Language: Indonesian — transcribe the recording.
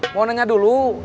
mau nanya dulu